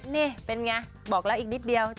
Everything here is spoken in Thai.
นี่เป็นไงบอกแล้วอีกนิดเดียว